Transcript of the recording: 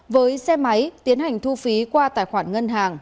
với xe máy tiến hành thu phí qua tài khoản ngân hàng